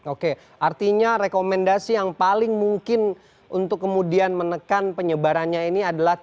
oke artinya rekomendasi yang paling mungkin untuk kemudian menekan penyebarannya ini adalah